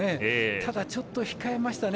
ただ、ちょっと控えましたね。